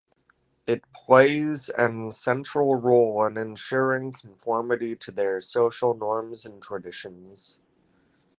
It plays an central role in ensuring conformity to their social norms and traditions.